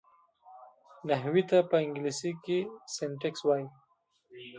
نحوي ته په انګلېسي کښي Syntax وایي.